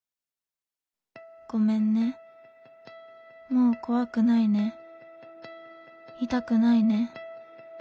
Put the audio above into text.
ごめんねもう怖くないね痛くないね。